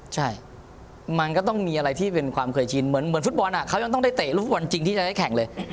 ใช่มันก็ต้องมีอะไรที่เป็นความเคยชินเหมือนฟุตบอลเขายังต้องได้เตะลูกฟุตบอลจริงที่จะได้แข่งเลย